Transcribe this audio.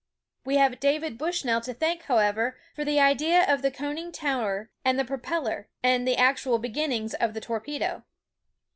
We have David Bushnell to thank, however, for the idea of the coiming tower and the propeller, and the actual beginnings of the torpedo.